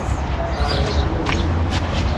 بَرزین